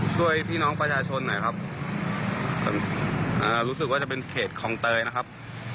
ช่วยพี่น้องประชาชนหน่อยครับรู้สึกว่าจะเป็นเขตคลองเตยนะครับ